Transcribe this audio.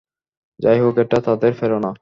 যাইহোক এটা তাদের প্রেরণা।